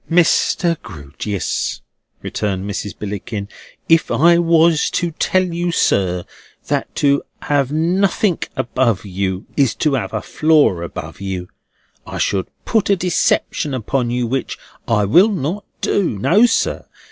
"Mr. Grewgious," returned Mrs. Billickin, "if I was to tell you, sir, that to have nothink above you is to have a floor above you, I should put a deception upon you which I will not do. No, sir.